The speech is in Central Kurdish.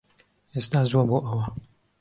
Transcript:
ئێستا زووە بۆ ئەوە